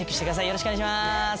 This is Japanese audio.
よろしくお願いします。